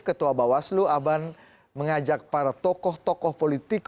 ketua bawaslu aban mengajak para tokoh tokoh politik